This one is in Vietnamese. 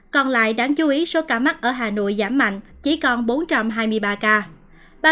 còn lại đáng chú ý số ca mắc ở hà nội giảm mạnh chỉ còn bốn trăm hai mươi ba ca